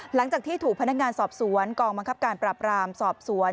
หลังจากที่ถูกพนักงานสอบสวนกองบังคับการปราบรามสอบสวน